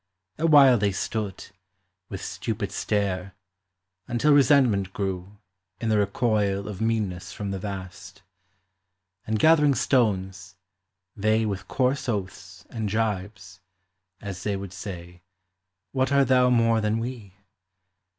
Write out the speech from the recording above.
Awhile they stood, With stupid stare, until resentment grew, In the recoil of meanness from the vast ; And gathering stones, they with coarse oaths and jibes (As they would say, " What art thou more than we